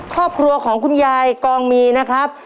ครอบครัวของคุณยายกองมีนะครับ